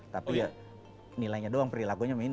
tapi ya nilainya doang perilakunya mini